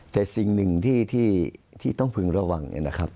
แต่สิ่งหนึ่งที่ต้องพึงระวังเนี่ยนะครับ